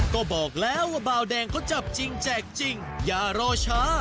ก็บอกแล้วว่าเบาแดงเขาจับจริงแจกจริงอย่ารอช้า